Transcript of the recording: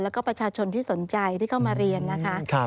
แล้วก็ประชาชนที่สนใจที่เข้ามาเรียนนะคะ